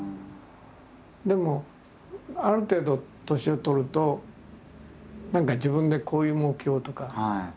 でもある程度年を取ると何か自分でこういう目標とか。